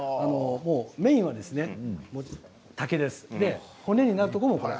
メインはですね